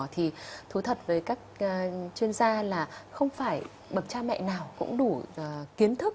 thì thú thật với các chuyên gia là không phải bậc cha mẹ nào cũng đủ kiến thức